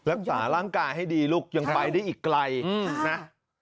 รักษาร่างกายให้ดีลูกยังไปได้อีกไกลนะ